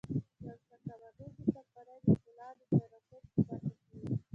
يو څو کم اغېزه کمپنۍ د پولادو د تراکم په برخه کې وې.